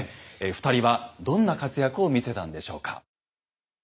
２人はどんな活躍を見せたんでしょうか。